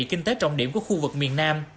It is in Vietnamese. kinh tế trọng điểm của khu vực miền nam